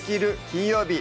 金曜日」